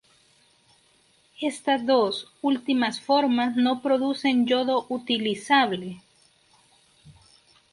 Estas dos últimas formas no producen yodo utilizable.